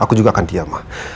aku juga akan diam ma